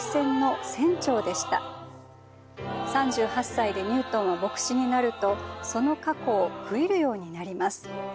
３８歳でニュートンは牧師になるとその過去を悔いるようになります。